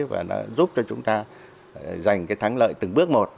và nó giúp cho chúng ta giành cái thắng lợi từng bước một